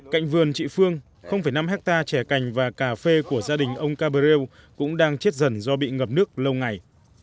cạnh vườn chị phương năm hectare trẻ cành và cà phê của gia đình ông caberl cũng đang chết dần do bị ngập nước lâu ngày